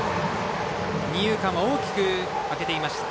二遊間は大きく空けていました。